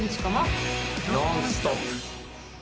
「ノンストップ！」。